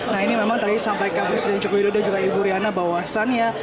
nah ini memang tadi sampaikan presiden jokowi dodo dan juga ibu riana bahwasannya